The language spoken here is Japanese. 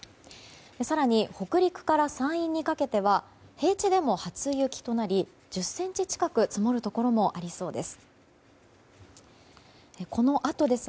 更に北陸から山陰にかけては平地でも初雪となり１０ｃｍ近く積もるところもありそうです。